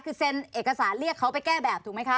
คือเซ็นเอกสารเรียกเขาไปแก้แบบถูกไหมคะ